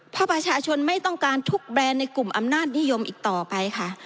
เพราะประชาชนไม่ต้องการทุกแบรนด์ในกลุ่มอำนาจนิยมอีกต่อไปค่ะ